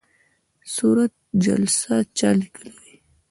صورت جلسه چا لیکلې وي؟